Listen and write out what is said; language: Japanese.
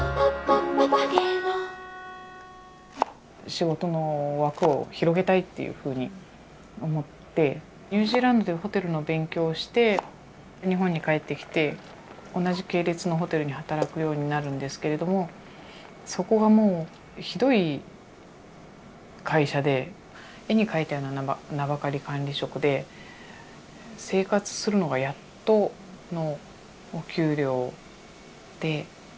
仕事の枠を広げたいっていうふうに思ってニュージーランドでホテルの勉強をして日本に帰ってきて同じ系列のホテルに働くようになるんですけれどもそこがもうひどい会社で絵に描いたような“名ばかり管理職”で生活するのがやっとのお給料で。